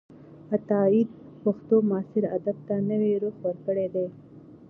عطاييد پښتو معاصر ادب ته نوې روح ورکړې ده.